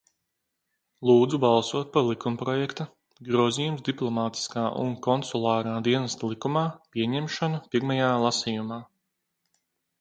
"Lūdzu balsot par likumprojekta "Grozījums Diplomātiskā un konsulārā dienesta likumā" pieņemšanu pirmajā lasījumā."